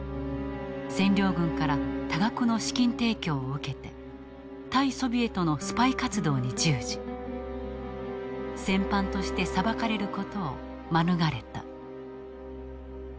占領軍から多額の資金提供を受けて対ソビエトのスパイ活動に従事戦犯として裁かれる事を免れた。